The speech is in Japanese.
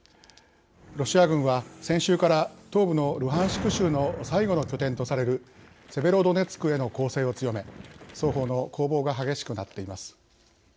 ロシア軍は先週から東部のルハンシク州の最後の拠点とされるセベロドネツクへの攻勢を強め双方の攻防が激しくなっています。